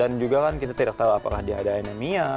dan juga kan kita tidak tahu apakah dia ada anemia